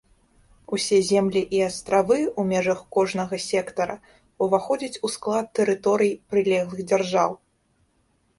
Усе землі і астравы ў межах кожнага сектара ўваходзяць у склад тэрыторый прылеглых дзяржаў.